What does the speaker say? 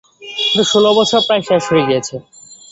কিন্তু ষোল বছর প্রায় শেষ হয়ে গিয়েছে।